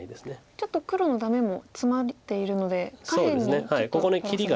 ちょっと黒のダメもツマっているので下辺にちょっと。